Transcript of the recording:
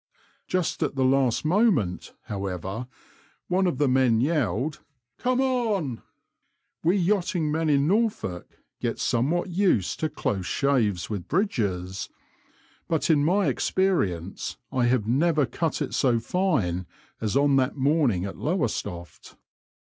Just at the last moment, however, one of the men yelled, Come on! " We yachting men in Norfolk get somewhat used to close shaves with bridges, but in my experience I have never cut it so fine as on that morning at Lowestoft.